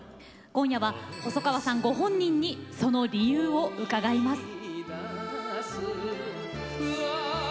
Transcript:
今夜は細川さんご本人にその理由を伺います。